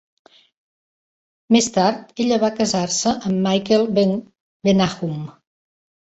Més tard, ella va casar-se amb Michael Bennahum.